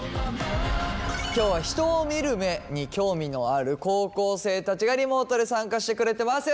今日は人を見る目に興味のある高校生たちがリモートで参加してくれてます。